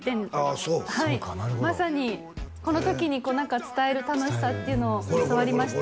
そうはいまさにこの時にこう何か伝える楽しさっていうのを教わりました